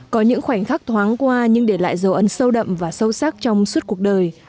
có những khoảnh khắc thoáng qua nhưng để lại dấu ấn sâu đậm và sâu sắc trong suốt cuộc đời